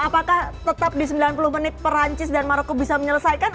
apakah tetap di sembilan puluh menit perancis dan maroko bisa menyelesaikan